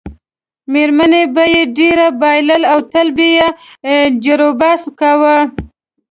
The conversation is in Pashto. میرمنې به یې ډېری بایلل او تل به یې جروبحث کاوه.